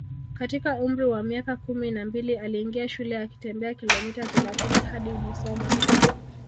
katika umri wa miaka kumi na mbili aliingia shule akitembea kilomita thelathini hadi Musoma